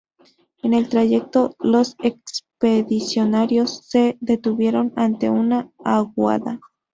En el trayecto, los expedicionarios se detuvieron ante una aguada.